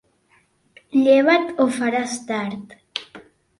Lleva't o faràs tard.